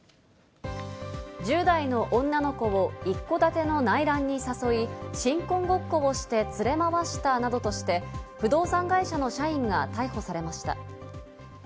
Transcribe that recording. １０代の女の子を一戸建ての内覧に誘い、新婚ごっこをして連れ回したなどとして不動産会社の社員が逮捕されました。